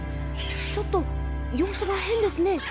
ちょっと様子が変ですね。